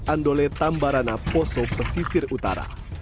andole tambarana poso pesisir utara